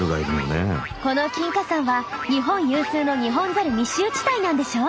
この金華山は日本有数のニホンザル密集地帯なんでしょ？